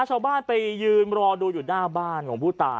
ชาวบ้านญาติโปรดแค้นไปดูภาพบรรยากาศขณะ